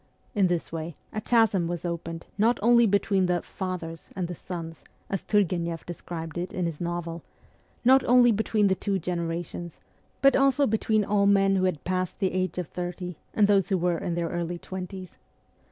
In this way a chasm was opened not only between the ' fathers ' and the ' sons,' as Turgueneff described it in his novel, not only between the two generations, but also between all men who had passed the age of thirty and those who were in their early twenties.